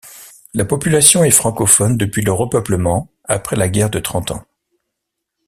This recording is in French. La population est francophone depuis le repeuplement après la guerre de Trente Ans.